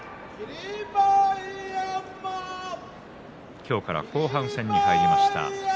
今日から後半戦に入りました。